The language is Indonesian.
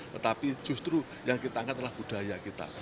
tetapi justru yang kita angkat adalah budaya kita